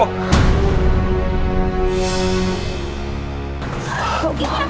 kamu jangan sembarangan ya jual bakso kamu